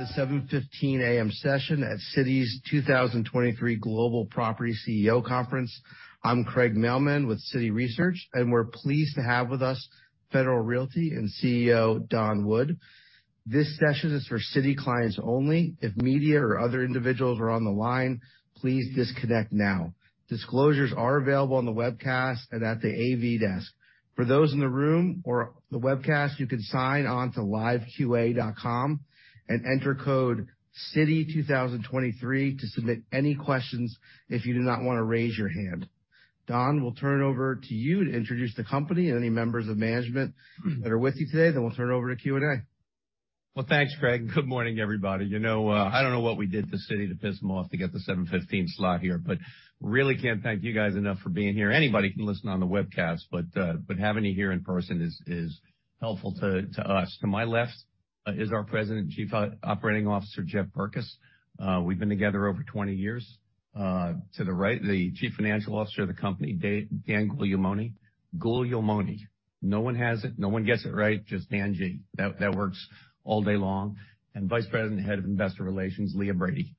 Welcome to the 7:15 A.M. session at Citi's 2023 Global Property CEO Conference. I'm Craig Mailman with Citi Research, we're pleased to have with us Federal Realty and CEO Don Wood. This session is for Citi clients only. If media or other individuals are on the line, please disconnect now. Disclosures are available on the webcast and at the AV desk. For those in the room or the webcast, you can sign on to liveqa.com and enter code Citi 2023 to submit any questions if you do not wanna raise your hand. Don, we'll turn it over to you to introduce the company and any members of management that are with you today, then we'll turn it over to Q&A. Well, thanks, Craig, and good morning, everybody. You know, I don't know what we did to Citi to piss them off to get the 7:15 slot here, but really can't thank you guys enough for being here. Anybody can listen on the webcast, but having you here in person is helpful to us. To my left, is our President and Chief Operating Officer, Jeff Kreshek. We've been together over 20 years. To the right, the Chief Financial Officer of the company, Dan Guglielmone. Guglielmone. No one has it. No one gets it right. Just Dan G. That works all day long. Vice President, Head of Investor Relations, Leah Brady.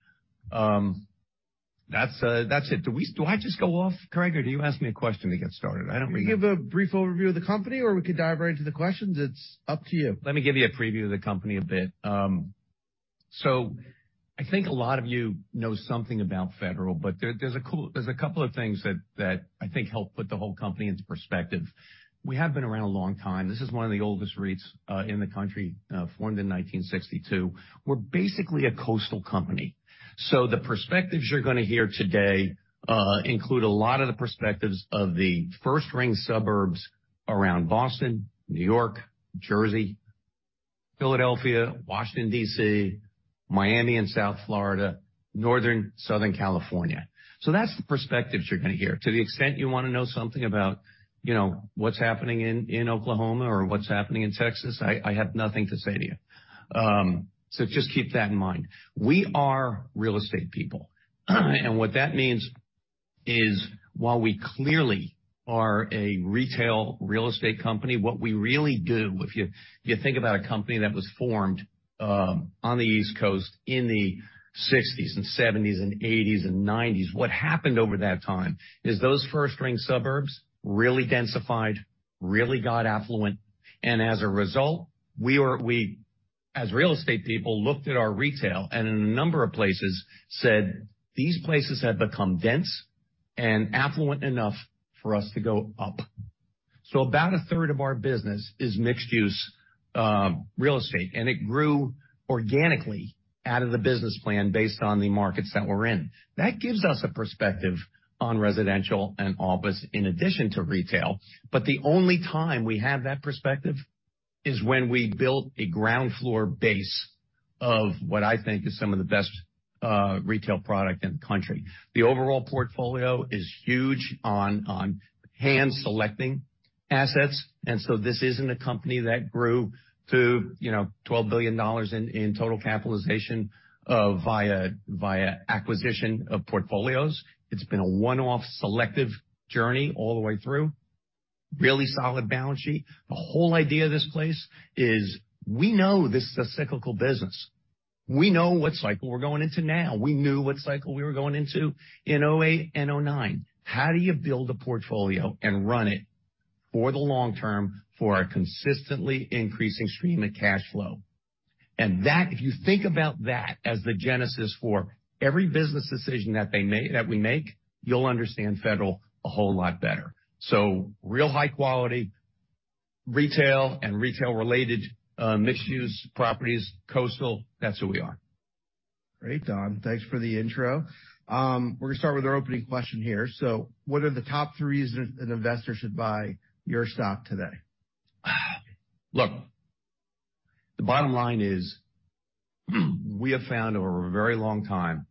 That's it. Do I just go off, Craig, or do you ask me a question to get started? I don't remember. You can give a brief overview of the company, or we could dive right into the questions. It's up to you. Let me give you a preview of the company a bit. I think a lot of you know something about Federal, but there's a couple of things that I think help put the whole company into perspective. We have been around a long time. This is one of the oldest REITs in the country, formed in 1962. We're basically a coastal company. The perspectives you're gonna hear today include a lot of the perspectives of the first-ring suburbs around Boston, New York, Jersey, Philadelphia, Washington, D.C., Miami and South Florida, Northern, Southern California. That's the perspectives you're gonna hear. To the extent you wanna know something about, you know, what's happening in Oklahoma or what's happening in Texas, I have nothing to say to you. Just keep that in mind. We are real estate people. What that means is while we clearly are a retail real estate company, what we really do, if you think about a company that was formed on the East Coast in the 60s and 70s and 80s and 90s, what happened over that time is those first-ring suburbs really densified, really got affluent. As a result, we, as real estate people, looked at our retail and in a number of places said, these places have become dense and affluent enough for us to go up. About a third of our business is mixed-use real estate, and it grew organically out of the business plan based on the markets that we're in. That gives us a perspective on residential and office in addition to retail. The only time we have that perspective is when we built a ground floor base of what I think is some of the best retail product in the country. The overall portfolio is huge on hand selecting assets, this isn't a company that grew to, you know, $12 billion in total capitalization via acquisition of portfolios. It's been a one-off selective journey all the way through. Really solid balance sheet. The whole idea of this place is we know this is a cyclical business. We know what cycle we're going into now. We knew what cycle we were going into in 2008 and 2009. How do you build a portfolio and run it for the long term for a consistently increasing stream of cash flow? That, if you think about that as the genesis for every business decision that we make, you'll understand Federal a whole lot better. Real high quality retail and retail related, mixed-use properties, coastal, that's who we are. Great, Don. Thanks for the intro. We're gonna start with our opening question here. What are the top three reasons an investor should buy your stock today? Look, the bottom line is, we have found over a very long time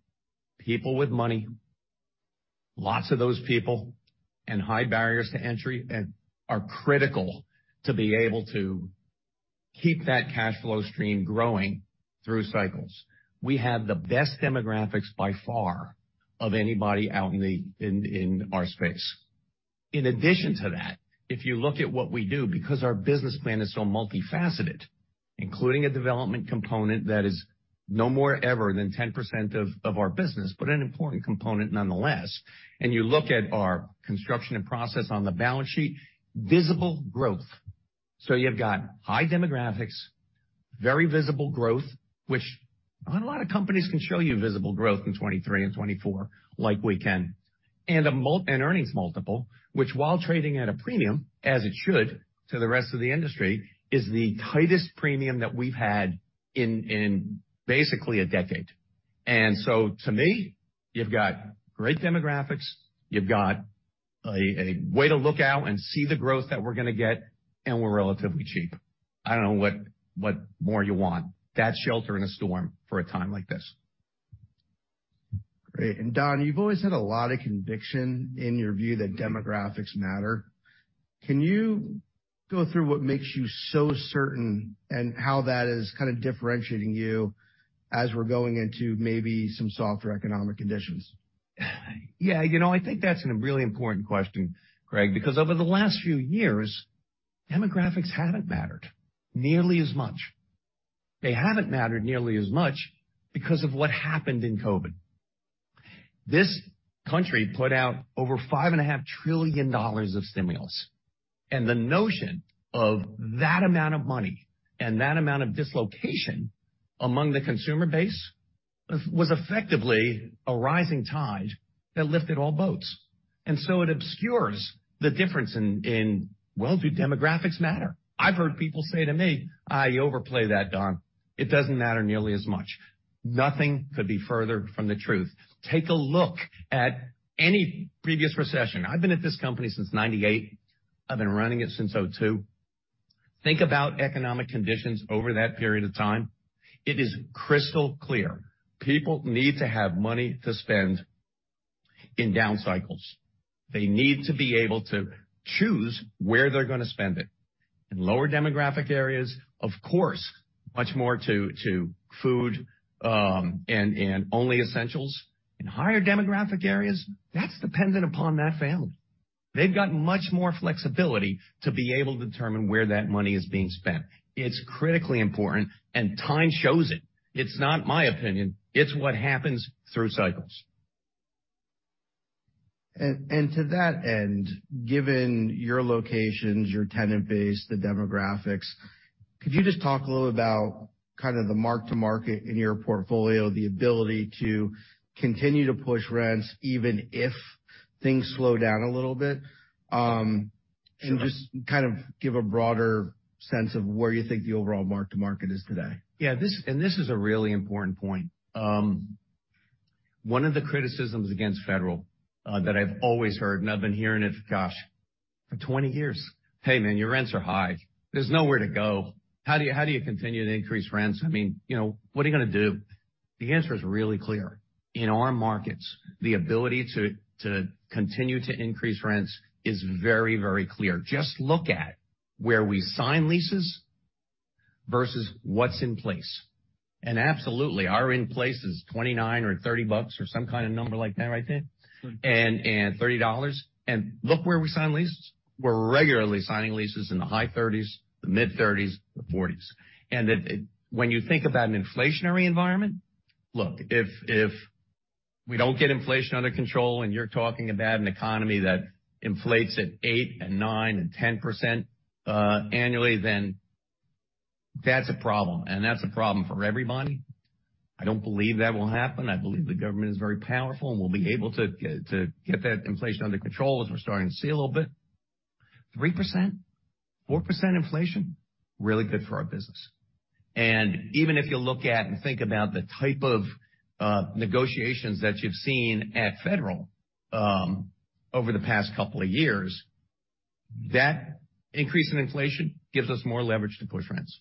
people with money, lots of those people, and high barriers to entry and are critical to be able to keep that cash flow stream growing through cycles. We have the best demographics by far of anybody out in our space. In addition to that, if you look at what we do, because our business plan is so multifaceted, including a development component that is no more ever than 10% of our business, but an important component nonetheless. You look at our construction and process on the balance sheet, visible growth. You've got high demographics, very visible growth, which not a lot of companies can show you visible growth in 23 and 24 like we can. an earnings multiple, which while trading at a premium, as it should, to the rest of the industry, is the tightest premium that we've had in basically a decade. To me, you've got great demographics, you've got a way to look out and see the growth that we're gonna get, and we're relatively cheap. I don't know what more you want. That's shelter in a storm for a time like this. Great. Don, you've always had a lot of conviction in your view that demographics matter. Can you go through what makes you so certain and how that is kinda differentiating you as we're going into maybe some softer economic conditions? Yeah, you know, I think that's a really important question, Greg, because over the last few years, demographics haven't mattered nearly as much. They haven't mattered nearly as much because of what happened in COVID. This country put out over $5.5 trillion of stimulus, and the notion of that amount of money and that amount of dislocation among the consumer base was effectively a rising tide that lifted all boats. It obscures the difference in, well, do demographics matter? I've heard people say to me, "You overplay that, Don. It doesn't matter nearly as much." Nothing could be further from the truth. Take a look at any previous recession. I've been at this company since 1998. I've been running it since 2002. Think about economic conditions over that period of time. It is crystal clear. People need to have money to spend in down cycles. They need to be able to choose where they're gonna spend it. In lower demographic areas, of course, much more to food and only essentials. In higher demographic areas, that's dependent upon that family. They've got much more flexibility to be able to determine where that money is being spent. It's critically important, and time shows it. It's not my opinion. It's what happens through cycles. To that end, given your locations, your tenant base, the demographics, could you just talk a little about kind of the mark-to-market in your portfolio, the ability to continue to push rents even if things slow down a little bit? Sure. Just kind of give a broader sense of where you think the overall mark-to-market is today. Yeah, this is a really important point. One of the criticisms against Federal, that I've always heard, and I've been hearing it, gosh, for 20 years, "Hey, man, your rents are high. There's nowhere to go. How do you continue to increase rents? I mean, you know, what are you gonna do?" The answer is really clear. In our markets, the ability to continue to increase rents is very, very clear. Just look at where we sign leases versus what's in place. Absolutely, our in place is $29 or $30 or some kind of number like that right there. Thirty.$30. Look where we sign leases. We're regularly signing leases in the high thirties, the mid-thirties, the forties. When you think about an inflationary environment, look, if we don't get inflation under control, and you're talking about an economy that inflates at 8% and 9% and 10% annually, then that's a problem, and that's a problem for everybody. I don't believe that will happen. I believe the government is very powerful and will be able to get that inflation under control, as we're starting to see a little bit. 3%, 4% inflation, really good for our business. Even if you look at and think about the type of negotiations that you've seen at Federal Realty over the past couple of years, that increase in inflation gives us more leverage to push rents.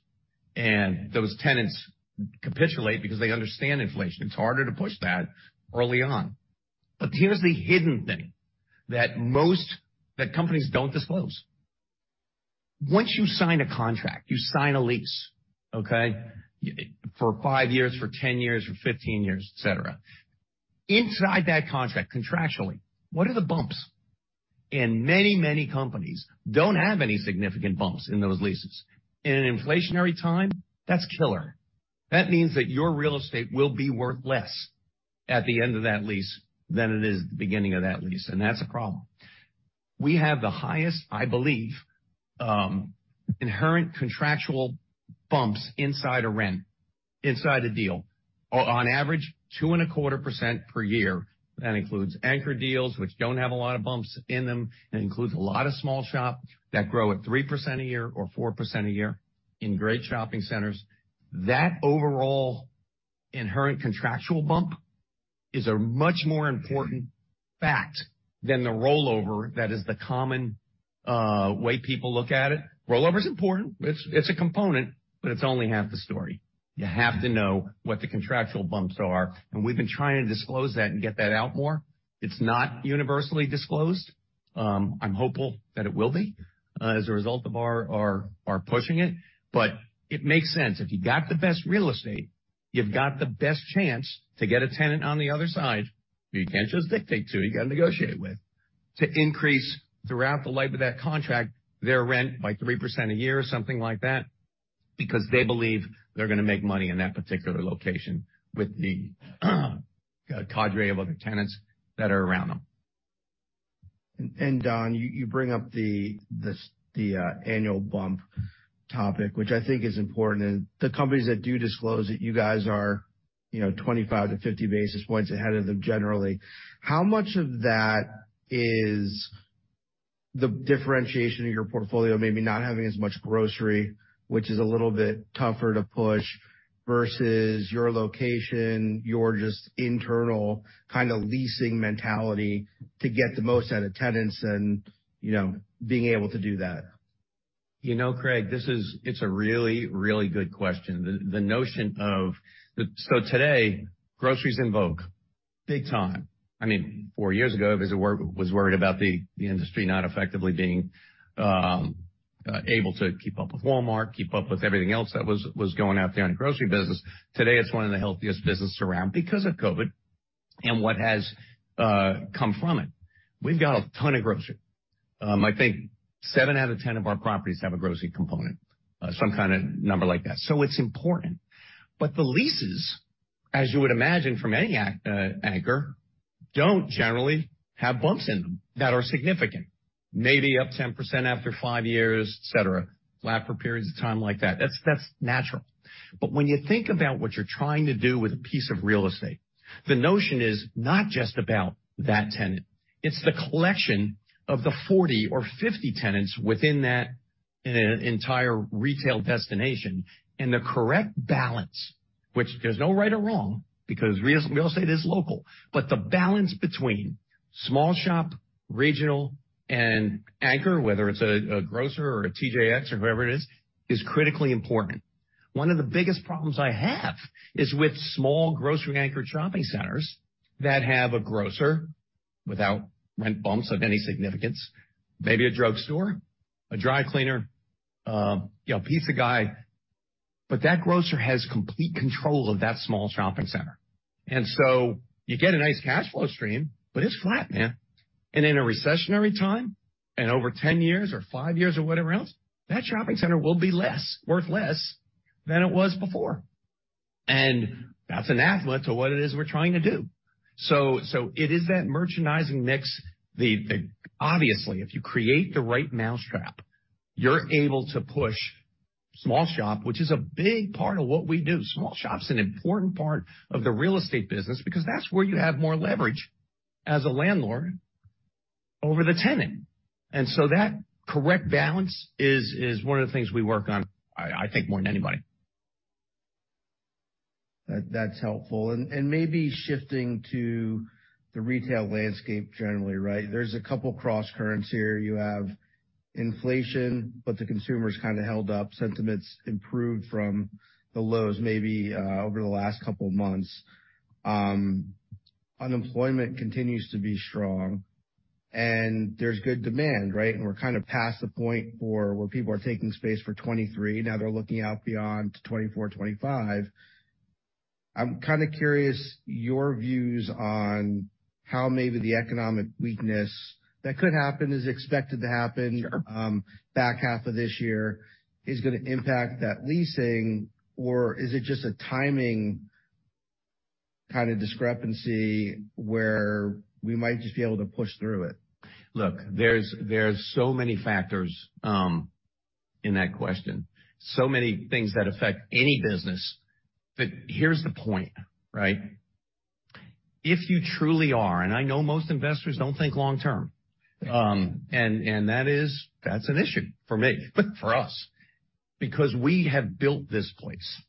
Those tenants capitulate because they understand inflation. It's harder to push that early on. Here's the hidden thing that companies don't disclose. Once you sign a contract, you sign a lease, okay, for five years, for 10 years, for 15 years, et cetera. Inside that contract, contractually, what are the bumps? Many companies don't have any significant bumps in those leases. In an inflationary time, that's killer. That means that your real estate will be worth less at the end of that lease than it is at the beginning of that lease, and that's a problem. We have the highest, I believe, inherent contractual bumps inside a rent, inside a deal. On average, 2.25% per year. That includes anchor deals, which don't have a lot of bumps in them. That includes a lot of small shop that grow at 3% a year or 4% a year in great shopping centers. That overall inherent contractual bump is a much more important fact than the rollover that is the common way people look at it. Rollover is important. It's a component, but it's only half the story. You have to know what the contractual bumps are. We've been trying to disclose that and get that out more. It's not universally disclosed. I'm hopeful that it will be as a result of our pushing it. It makes sense. If you got the best real estate, you've got the best chance to get a tenant on the other side, who you can't just dictate to, you gotta negotiate with, to increase throughout the life of that contract their rent by 3% a year or something like that because they believe they're gonna make money in that particular location with the cadre of other tenants that are around them. Don, you bring up the annual bump topic, which I think is important. The companies that do disclose it, you guys are, you know, 25 to 50 basis points ahead of them generally. How much of that is the differentiation of your portfolio maybe not having as much grocery, which is a little bit tougher to push, versus your location, your just internal kinda leasing mentality to get the most out of tenants and, you know, being able to do that? You know, Craig, it's a really, really good question. The notion of... Today, grocery's in vogue big time. I mean, four years ago, I was worried about the industry not effectively being able to keep up with Walmart, keep up with everything else that was going out there in the grocery business. Today, it's one of the healthiest business around because of COVID and what has come from it. We've got a ton of grocery. I think seven out of 10 of our properties have a grocery component, some kind of number like that. It's important. The leases, as you would imagine from any anchor, don't generally have bumps in them that are significant. Maybe up 10% after five years, et cetera, longer periods of time like that. That's natural. When you think about what you're trying to do with a piece of real estate, the notion is not just about that tenant, it's the collection of the 40 or 50 tenants within that entire retail destination and the correct balance, which there's no right or wrong because real estate is local. The balance between small shop, regional, and anchor, whether it's a grocer or a TJX or whoever it is critically important. One of the biggest problems I have is with small grocery anchored shopping centers that have a grocer without rent bumps of any significance, maybe a drugstore, a dry cleaner, you know, pizza guy. That grocer has complete control of that small shopping center. So you get a nice cash flow stream, but it's flat, man. In a recessionary time, over 10 years or five years or whatever else, that shopping center will be worth less than it was before. That's anathema to what it is we're trying to do. It is that merchandising mix. Obviously, if you create the right mousetrap, you're able to push small shop, which is a big part of what we do. Small shop's an important part of the real estate business because that's where you have more leverage as a landlord over the tenant. That correct balance is one of the things we work on, I think more than anybody. That's helpful. Maybe shifting to the retail landscape generally, right? There's a couple crosscurrents here. You have inflation, but the consumer's kinda held up. Sentiments improved from the lows, maybe, over the last couple of months. Unemployment continues to be strong, and there's good demand, right? We're kinda past the point where people are taking space for 2023, now they're looking out beyond to 2024, 2025. I'm kinda curious your views on how maybe the economic weakness that could happen is expected to happen, back half of this year is gonna impact that leasing. Or is it just a timing kind of discrepancy where we might just be able to push through it? Look, there's so many factors in that question, so many things that affect any business. Here's the point, right? If you truly are, and I know most investors don't think long term, that's an issue for me, for us, because we have built this place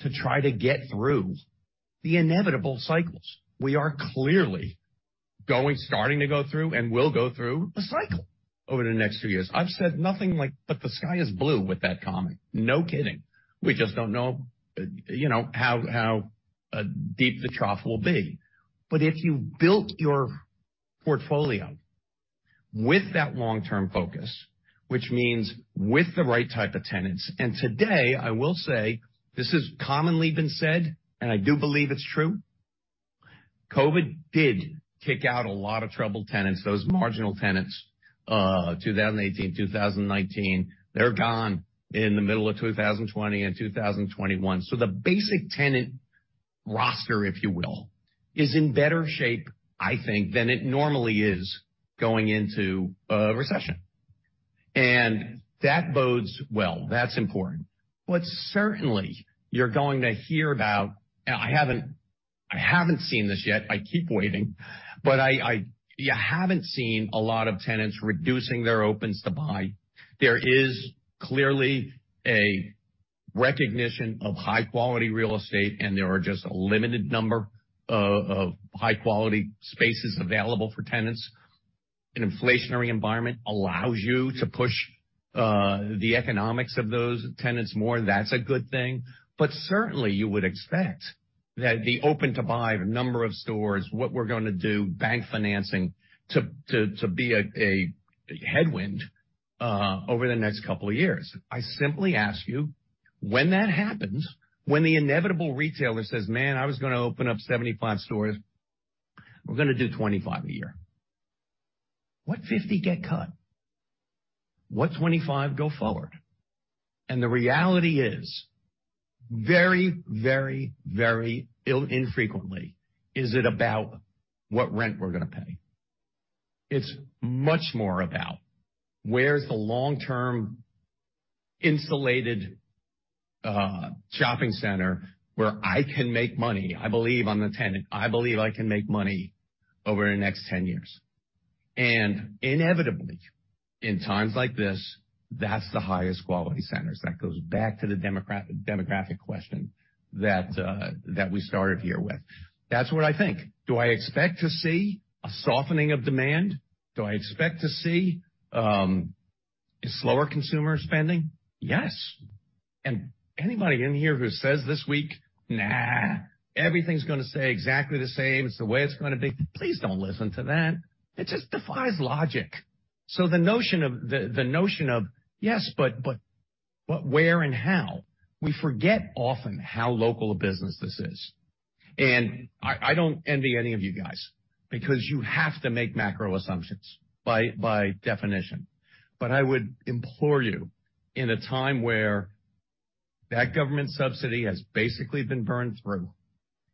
to try to get through the inevitable cycles. We are clearly going, starting to go through and will go through a cycle over the next few years. I've said nothing like, the sky is blue with that comment. No kidding. We just don't know, you know, how deep the trough will be. If you built your portfolio with that long-term focus, which means with the right type of tenants, today I will say this has commonly been said, and I do believe it's true. COVID did kick out a lot of troubled tenants, those marginal tenants, 2018, 2019. They're gone in the middle of 2020 and 2021. The basic tenant roster, if you will, is in better shape, I think, than it normally is going into a recession. That bodes well. That's important. Certainly, you're going to hear about. I haven't seen this yet. I keep waiting, but you haven't seen a lot of tenants reducing their Open-to-Buy. There is clearly a recognition of high-quality real estate, and there are just a limited number of high-quality spaces available for tenants. An inflationary environment allows you to push the economics of those tenants more. That's a good thing. Certainly, you would expect that the Open-to-Buy the number of stores, what we're gonna do, bank financing to be a headwind over the next couple of years. I simply ask you, when that happens, when the inevitable retailer says, "Man, I was gonna open up 75 stores, we're gonna do 25 a year." What 50 get cut? What 25 go forward? The reality is, very infrequently is it about what rent we're gonna pay. It's much more about where's the long-term insulated shopping center where I can make money. I believe I'm the tenant. I believe I can make money over the next 10 years. Inevitably, in times like this, that's the highest quality centers. That goes back to the demographic question that we started here with. That's what I think. Do I expect to see a softening of demand? Do I expect to see slower consumer spending? Yes. And anybody in here who says this week, "Nah, everything's gonna stay exactly the same, it's the way it's gonna be," please don't listen to that. It just defies logic. The notion of the notion of, yes, but where and how? We forget often how local a business this is. I don't envy any of you guys because you have to make macro assumptions by definition. I would implore you, in a time where that government subsidy has basically been burned through,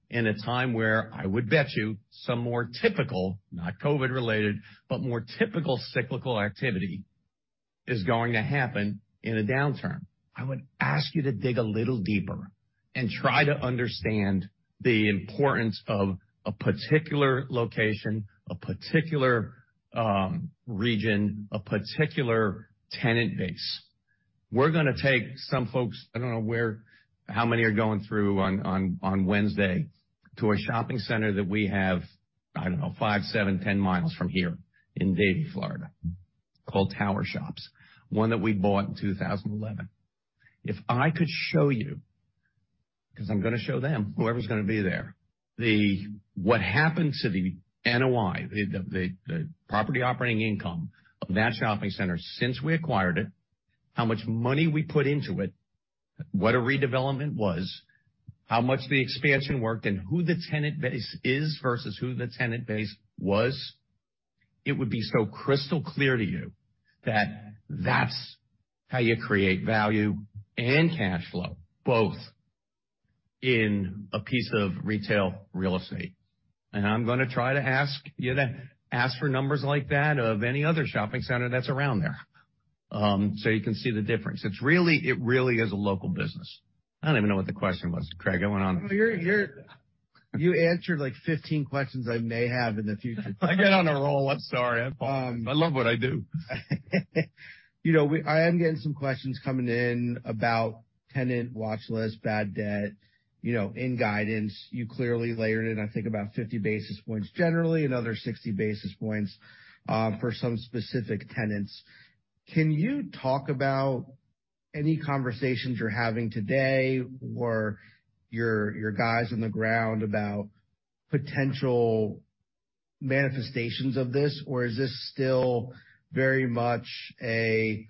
in a time where I would bet you some more typical, not COVID related, but more typical cyclical activity is going to happen in a downturn. I would ask you to dig a little deeper and try to understand the importance of a particular location, a particular region, a particular tenant base. We're gonna take some folks, I don't know where, how many are going through on Wednesday, to a shopping center that we have, I don't know, 5, 7, 10 miles from here in Davie, Florida, called Tower Shops, one that we bought in 2011. If I could show you, 'cause I'm gonna show them, whoever's gonna be there, what happened to the NOI, the property operating income of that shopping center since we acquired it, how much money we put into it, what a redevelopment was, how much the expansion worked, and who the tenant base is versus who the tenant base was, it would be so crystal clear to you that that's how you create value and cash flow, both in a piece of retail real estate. I'm gonna try to ask you to ask for numbers like that of any other shopping center that's around there, so you can see the difference. It really is a local business. I don't even know what the question was, Craig. I went on. You're, you answered, like, 15 questions I may have in the future. I get on a roll. I'm sorry. I love what I do. You know, I am getting some questions coming in about tenant watch list, bad debt. You know, in guidance, you clearly layered in, I think, about 50 basis points generally, another 60 basis points for some specific tenants. Can you talk about any conversations you're having today or your guys on the ground about potential manifestations of this? Or is this still very much a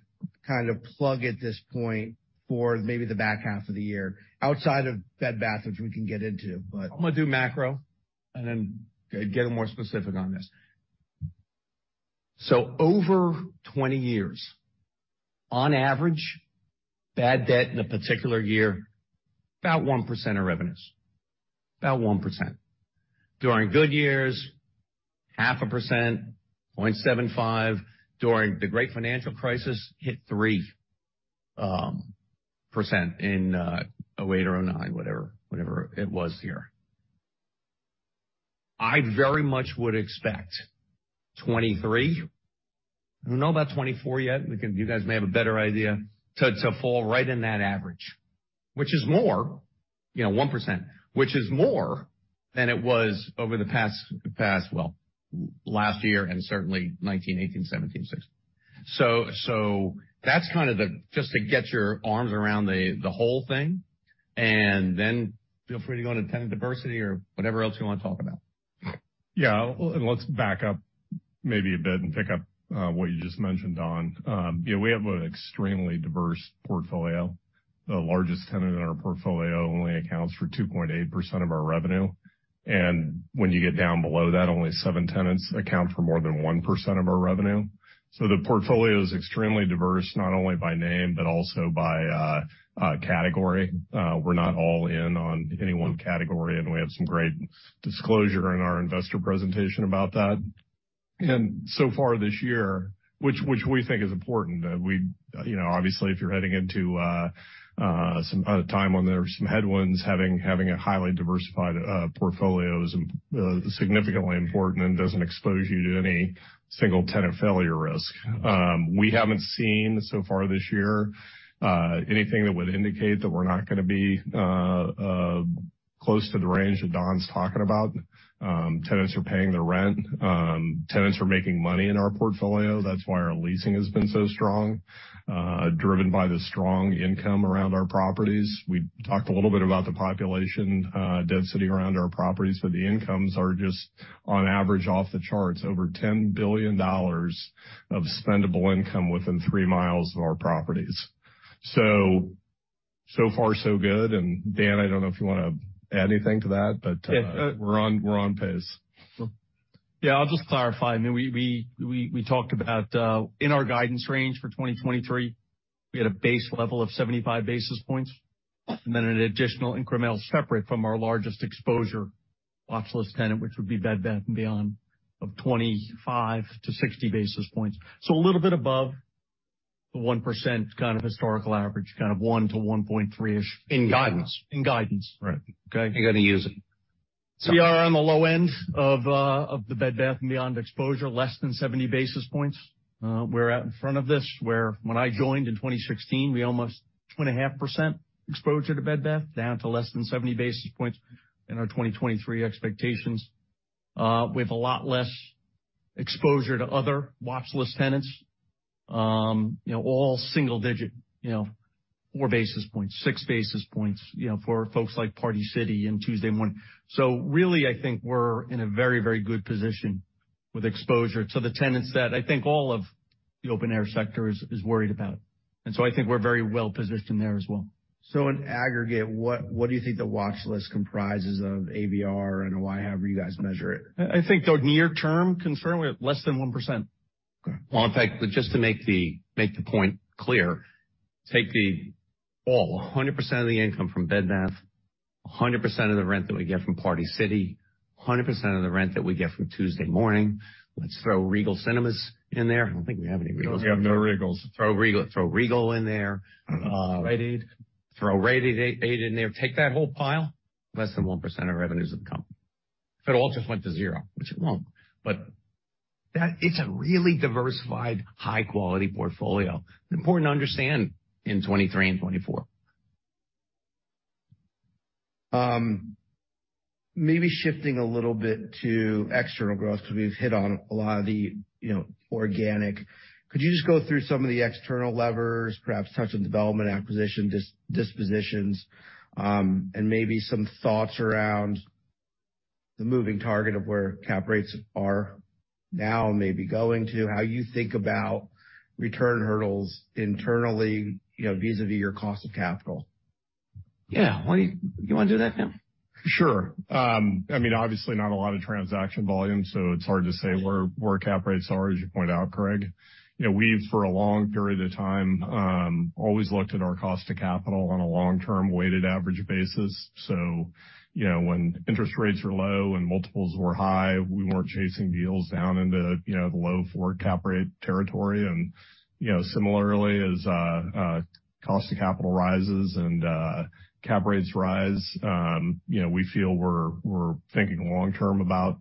kind of plug at this point for maybe the back half of the year, outside of Bed Bath, which we can get into, but... I'm going to do macro and then get more specific on this. Over 20 years, on average, bad debt in a particular year, about 1% of revenues. About 1%. During good years, 0.5%, 0.75%. During the great financial crisis, hit 3% in 2008 or 2009, whatever it was year. I very much would expect 2023, I don't know about 2024 yet, you guys may have a better idea, to fall right in that average, which is more, you know, 1%, which is more than it was over the past, well, last year and certainly 2019, 2018, 2017, 2016. That's kind of just to get your arms around the whole thing and then feel free to go into tenant diversity or whatever else you wanna talk about. Let's back up maybe a bit and pick up what you just mentioned, Don. We have an extremely diverse portfolio. The largest tenant in our portfolio only accounts for 2.8% of our revenue. When you get down below that, only seven tenants account for more than 1% of our revenue. The portfolio is extremely diverse, not only by name, but also by category. We're not all in on any one category, and we have some great disclosure in our investor presentation about that. So far this year, which we think is important, that we, you know, obviously, if you're heading into some time when there are some headwinds, having a highly diversified portfolio is significantly important and doesn't expose you to any single tenant failure risk. We haven't seen so far this year, anything that would indicate that we're not gonna be close to the range that Don's talking about. Tenants are paying their rent. Tenants are making money in our portfolio. That's why our leasing has been so strong, driven by the strong income around our properties. We talked a little bit about the population density around our properties, but the incomes are just on average off the charts. Over $10 billion of spendable income within 3 miles of our properties. So far so good. Dan, I don't know if you wanna add anything to that, but we're on pace. Yeah, I'll just clarify. I mean, we talked about in our guidance range for 2023, we had a base level of 75 basis points and then an additional incremental separate from our largest exposure watch list tenant, which would be Bed Bath & Beyond, of 25-60 basis points. A little bit above the 1% kind of historical average, kind of 1% to 1.3%-ish. In guidance. In guidance. Right. Okay. You're gonna use it. We are on the low end of the Bed Bath & Beyond exposure, less than 70 basis points. We're out in front of this, where when I joined in 2016, we almost 2.5% exposure to Bed Bath, down to less than 70 basis points in our 2023 expectations. We have a lot less. Exposure to other watch list tenants, you know, all single digit, you know, 4 basis points, 6 basis points, you know, for folks like Party City and Tuesday Morning. Really, I think we're in a very, very good position with exposure to the tenants that I think all of the open air sector is worried about. So I think we're very well positioned there as well. In aggregate, what do you think the watch list comprises of ABR and however you guys measure it? I think the near term concern, we have less than 1%. Okay. In fact, just to make the point clear, take 100% of the income from Bed Bath, 100% of the rent that we get from Party City, 100% of the rent that we get from Tuesday Morning. Let's throw Regal Cinemas in there. I don't think we have any Regals. We have no Regals. Throw Regal in there. I don't know. Throw Rite Aid in there. Take that whole pile, less than 1% of revenues of the company. If it all just went to zero, which it won't, but it's a really diversified, high quality portfolio. Important to understand in 2023 and 2024. Maybe shifting a little bit to external growth because we've hit on a lot of the, you know, organic. Could you just go through some of the external levers, perhaps touch on development, acquisition, dispositions, and maybe some thoughts around the moving target of where cap rates are now and maybe going to, how you think about return hurdles internally, you know, vis-à-vis your cost of capital? Yeah. Do you wanna do that, Jeffrey? Sure. I mean, obviously not a lot of transaction volume, so it's hard to say where cap rates are, as you point out, Craig. You know, we've, for a long period of time, always looked at our cost of capital on a long-term weighted average basis. You know, when interest rates were low and multiples were high, we weren't chasing deals down into, you know, the low forward cap rate territory. You know, similarly, as cost of capital rises and cap rates rise, you know, we feel we're thinking long term about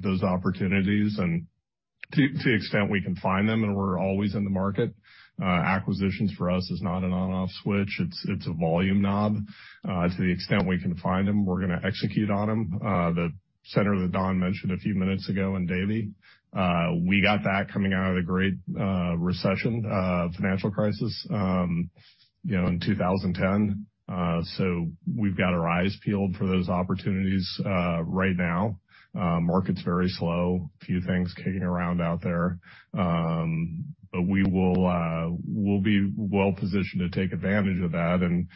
those opportunities and to the extent we can find them, and we're always in the market. Acquisitions for us is not an on/off switch. It's a volume knob. To the extent we can find them, we're gonna execute on them. The center that Donald mentioned a few minutes ago in Davie, we got that coming out of the great recession, financial crisis, you know, in 2010. We've got our eyes peeled for those opportunities. Right now, market's very slow, few things kicking around out there. We will, we'll be well positioned to take advantage of that.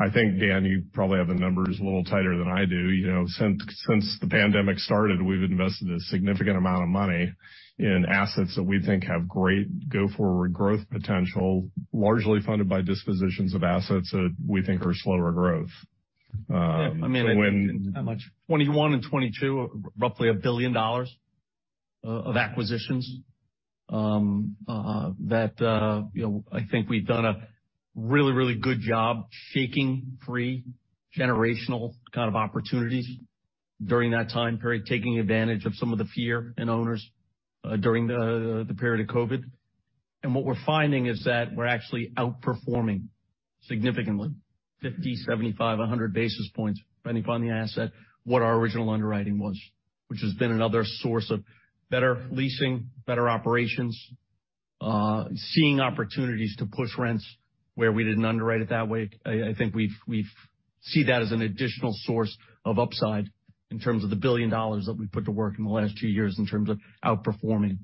I think, Dan, you probably have the numbers a little tighter than I do. You know, since the pandemic started, we've invested a significant amount of money in assets that we think have great go forward growth potential, largely funded by dispositions of assets that we think are slower growth, when- I mean, in 2021 and 2022, roughly $1 billion of acquisitions, that, you know, I think we've done a really, really good job shaking free generational kind of opportunities during that time period, taking advantage of some of the fear in owners during the period of COVID. What we're finding is that we're actually outperforming significantly, 50, 75, 100 basis points, depending upon the asset, what our original underwriting was, which has been another source of better leasing, better operations, seeing opportunities to push rents where we didn't underwrite it that way. I think we've see that as an additional source of upside in terms of the $1 billion that we put to work in the last two years in terms of outperforming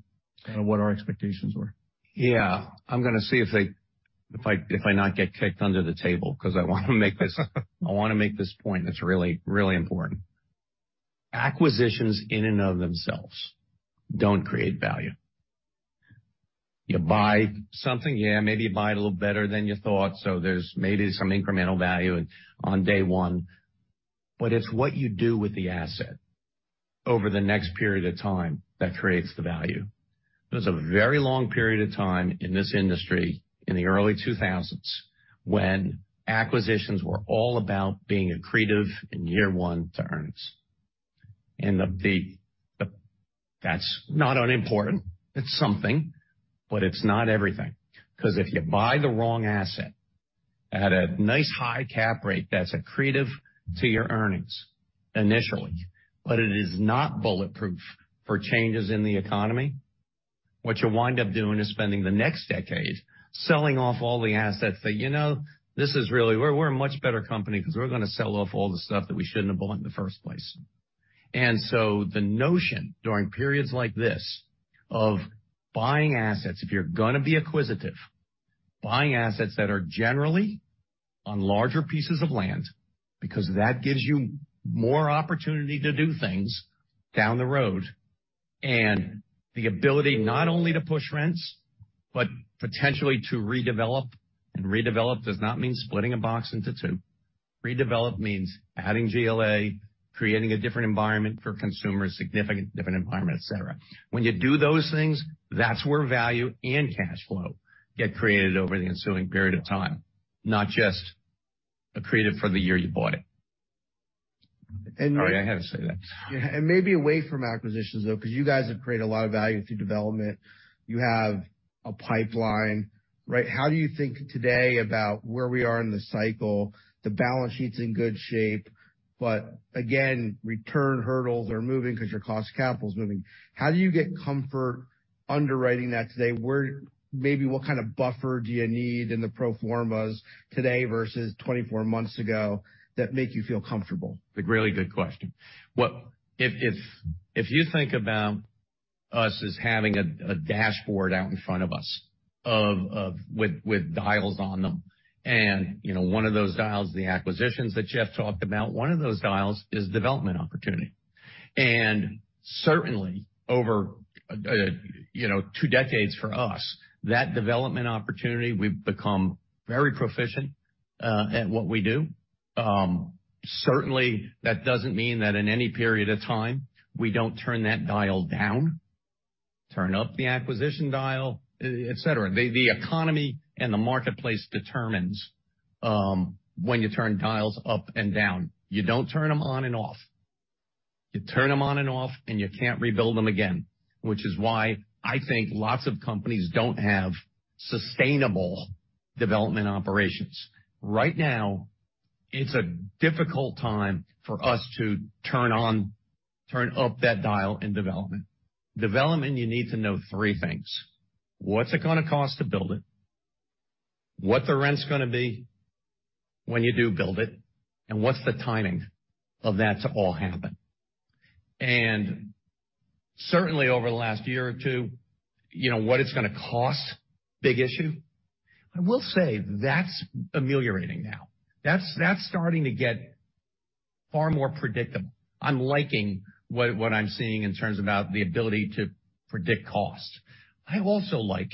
kind of what our expectations were. Yeah. I'm gonna see if I not get kicked under the table, 'cause I wanna make this point that's really important. Acquisitions in and of themselves don't create value. You buy something, yeah, maybe you buy it a little better than you thought, so there's maybe some incremental value on day one. It's what you do with the asset over the next period of time that creates the value. There's a very long period of time in this industry in the early 2000s when acquisitions were all about being accretive in year one to earnings. That's not unimportant. It's something, it's not everything. 'Cause if you buy the wrong asset at a nice high cap rate that's accretive to your earnings initially, but it is not bulletproof for changes in the economy, what you'll wind up doing is spending the next decade selling off all the assets that you know, this is really. We're a much better company 'cause we're gonna sell off all the stuff that we shouldn't have bought in the first place. The notion during periods like this of buying assets, if you're gonna be acquisitive, buying assets that are generally on larger pieces of land because that gives you more opportunity to do things down the road, and the ability not only to push rents, but potentially to redevelop does not mean splitting a box into two. Redevelop means adding GLA, creating a different environment for consumers, significant different environment, et cetera. When you do those things, that's where value and cash flow get created over the ensuing period of time, not just accretive for the year you bought it. Sorry, I had to say that. Maybe away from acquisitions, though, 'cause you guys have created a lot of value through development. You have a pipeline, right? How do you think today about where we are in the cycle? The balance sheet's in good shape, but again, return hurdles are moving because your cost of capital is moving. How do you get comfort underwriting that today, where maybe what kind of buffer do you need in the pro formas today versus 24 months ago that make you feel comfortable? It's a really good question. If you think about us as having a dashboard out in front of us with dials on them, and, you know, one of those dials, the acquisitions that Jeff talked about, one of those dials is development opportunity. Certainly over, you know, two decades for us, that development opportunity, we've become very proficient at what we do. Certainly that doesn't mean that in any period of time, we don't turn that dial down, turn up the acquisition dial, et cetera. The economy and the marketplace determines when you turn dials up and down. You don't turn them on and off. You turn them on and off, and you can't rebuild them again, which is why I think lots of companies don't have sustainable development operations. Right now, it's a difficult time for us to turn up that dial in development. Development, you need to know three things. What's it gonna cost to build it? What the rent's gonna be when you do build it, and what's the timing of that to all happen? Certainly over the last year or two, you know, what it's gonna cost, big issue. I will say that's ameliorating now. That's starting to get far more predictable. I'm liking what I'm seeing in terms about the ability to predict cost. I also like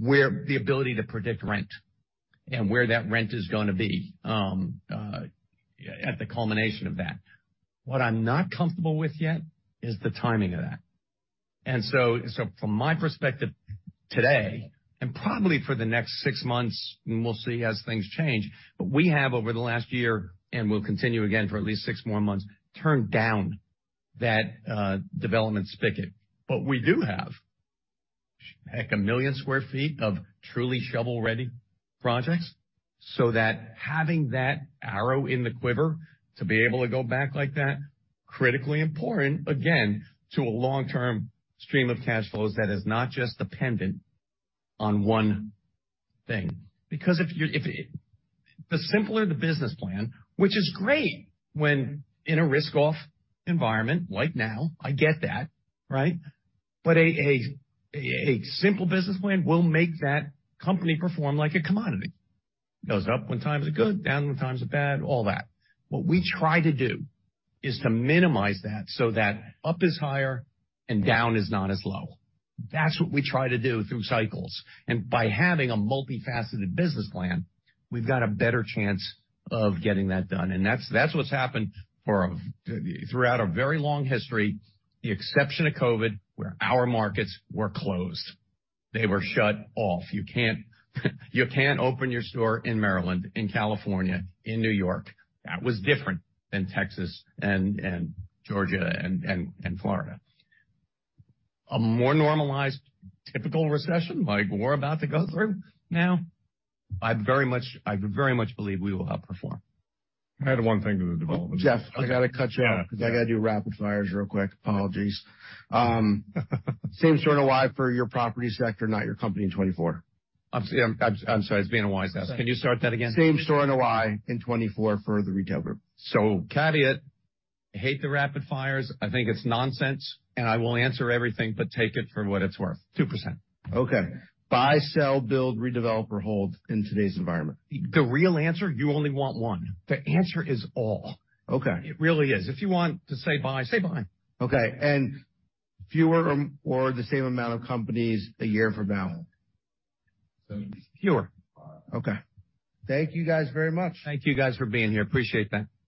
the ability to predict rent and where that rent is gonna be at the culmination of that. What I'm not comfortable with yet is the timing of that. From my perspective today, and probably for the next six months, and we'll see as things change, we have over the last year, and we'll continue again for at least six more months, turned down that development spigot. We do have, heck, 1 million sq ft of truly shovel-ready projects, so that having that arrow in the quiver to be able to go back like that, critically important, again, to a long-term stream of cash flows that is not just dependent on one thing. Because the simpler the business plan, which is great when in a risk-off environment, like now, I get that, right? A simple business plan will make that company perform like a commodity. Goes up when times are good, down when times are bad, all that. What we try to do is to minimize that so that up is higher and down is not as low. That's what we try to do through cycles. By having a multifaceted business plan, we've got a better chance of getting that done. That's, that's what's happened throughout a very long history, the exception of COVID, where our markets were closed, they were shut off. You can't open your store in Maryland, in California, in New York. That was different than Texas and Georgia and Florida. A more normalized typical recession like we're about to go through now, I very much believe we will outperform. I had one thing to the development. Jeff, I got to cut you off because I got to do rapid fires real quick. Apologies. Same-Store NOI for your properties sector, not your company in 2024. I'm sorry. It's being a wise ass. Can you start that again? Same-Store NOI in 2024 for the retail group. Caveat, I hate the rapid fires. I think it's nonsense, and I will answer everything, but take it for what it's worth. 2%. Okay. Buy, sell, build, redevelop, or hold in today's environment. The real answer, you only want one. The answer is all. Okay. It really is. If you want to say buy, say buy. Okay. Fewer or the same amount of companies a year for Federal Realty? Fewer. Okay. Thank you guys very much. Thank you guys for being here. Appreciate that.